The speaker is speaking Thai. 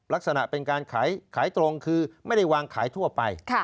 ลักษณะเป็นการขายตรงคือไม่ได้วางขายทั่วไป